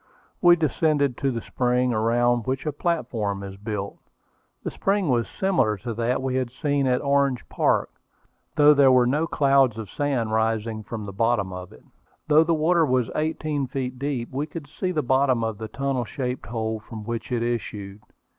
We descended to the spring, around which a platform is built. The spring was similar to that we had seen at Orange Park, though there were no clouds of sand rising from the bottom of it. Though the water was eighteen feet deep, we could see to the bottom of the tunnel shaped hole from which it issued.